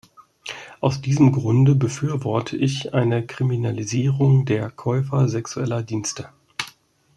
Aus diesem Grunde befürworte ich eine Kriminalisierung der Käufer sexueller Dienste.